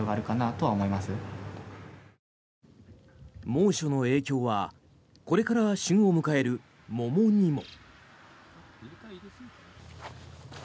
猛暑の影響はこれから旬を迎える桃にも。